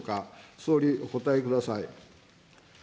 総理、お答えください。